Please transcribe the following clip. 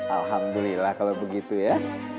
alhamdulillah kalau begitu ya